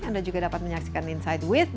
anda juga dapat menyaksikan inside with